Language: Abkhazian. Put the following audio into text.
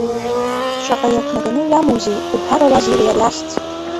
Шаҟа иақәнаганы иамоузеи, уҳәарауазеи уи ари ахьӡ!